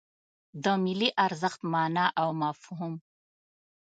د ملي ارزښت مانا او مفهوم